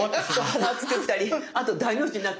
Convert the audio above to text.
花輪作ったりあと大の字になって寝転がったり。